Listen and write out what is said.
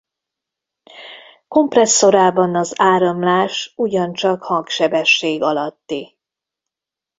Kompresszorában az áramlás ugyancsak hangsebesség alatti.